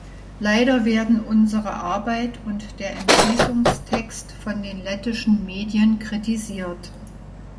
Leider werden unsere Arbeit und der Entschließungstext von den lettischen Medien kritisiert.